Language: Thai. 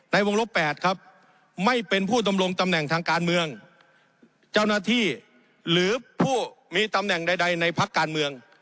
ในวงลบ๘ครับไม่เป็นผู้ดำรงตำแหน่งทางการเมืองเจ้าหน้าที่หรือผู้มีตำแหน่งใดในพักการเมือง